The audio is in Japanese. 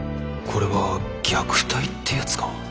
これは虐待ってやつか？